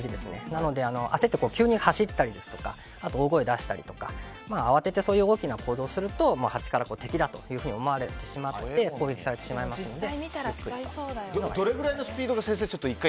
なので、焦って急に走ったりとか大声を出したりとか慌ててそういう行動をとるとハチから敵だというふうに思われてしまって攻撃されてしまいますので。